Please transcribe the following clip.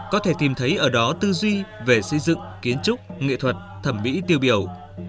có thể tìm thấy ở đó tư duy về xây dựng kiến trúc nghệ thuật thẩm mỹ tiêu biểu